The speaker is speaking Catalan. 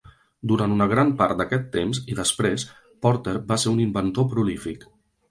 Durant una gran part d'aquest temps, i després, Porter va ser un inventor prolífic.